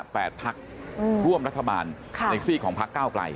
๘พักร่วมรัฐบาลในซีกของพักเก้าไกล